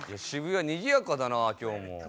渋谷にぎやかだな今日も。